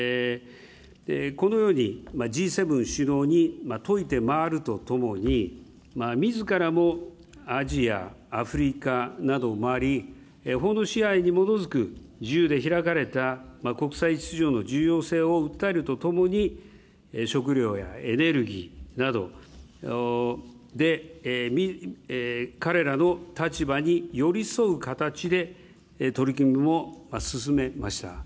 このように、Ｇ７首脳にといて回るとともに、みずからもアジア、アフリカなどを回り、法の支配に基づく自由で開かれた国際秩序の重要性を訴えるとともに、食料やエネルギーなどで、彼らの立場に寄り添う形で取り組みも進めました。